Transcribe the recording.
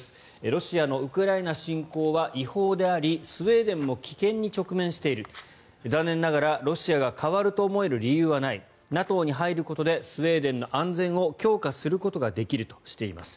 ロシアのウクライナ侵攻は違法でありスウェーデンも危険に直面している残念ながらロシアが変わると思える理由はないＮＡＴＯに入ることでスウェーデンの安全を強化することができるとしています。